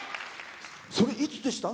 それ、いつでした？